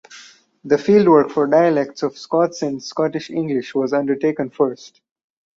The fieldwork for dialects of Scots and Scottish English was undertaken first.